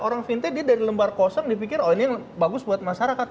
orang vintage dia dari lembar kosong dipikir oh ini bagus buat masyarakat